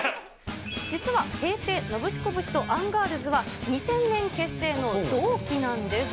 実は、平成ノブシコブシとアンガールズは、２０００年結成の同期なんです。